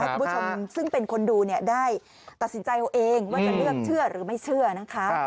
คุณผู้ชมซึ่งเป็นคนดูเนี่ยได้ตัดสินใจเอาเองว่าจะเลือกเชื่อหรือไม่เชื่อนะคะ